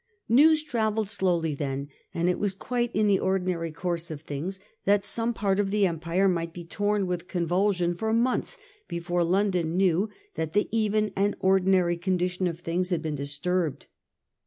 News travelled slowly then ; and it was quite in the ordinary course of things that some part of the empire might be tom with convulsion for months before London knew that the even and ordi nary condition of things had been disturbed.